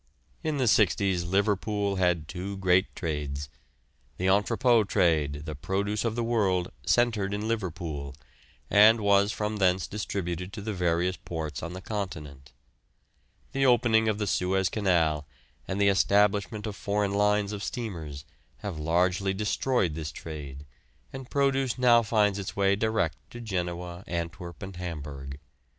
In the 'sixties Liverpool had two great trades. The entrepôt trade, the produce of the world, centred in Liverpool, and was from thence distributed to the various ports on the continent. The opening of the Suez Canal, and the establishment of foreign lines of steamers, have largely destroyed this trade, and produce now finds its way direct to Genoa, Antwerp, and Hamburg.